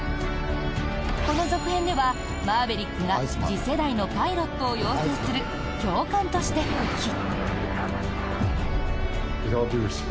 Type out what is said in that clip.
この続編ではマーヴェリックが次世代のパイロットを養成する教官として復帰。